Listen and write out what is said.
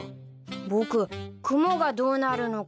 僕雲がどうなるのか